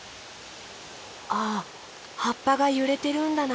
あはっぱがゆれてるんだな。